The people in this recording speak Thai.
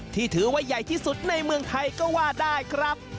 ที่ถือว่าใหญ่ที่สุดในเมืองไทยก็ว่าได้ครับ